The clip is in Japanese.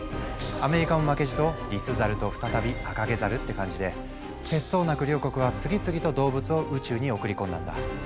アメリカも負けじとリスザルと再びアカゲザルって感じで節操なく両国は次々と動物を宇宙に送り込んだんだ。